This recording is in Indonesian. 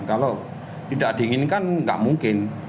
kalau tidak diinginkan nggak mungkin